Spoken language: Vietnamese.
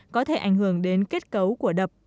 có thể ảnh hưởng đến kết cấu của đập